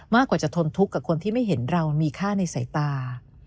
กว่าจะทนทุกข์กับคนที่ไม่เห็นเรามีค่าในสายตา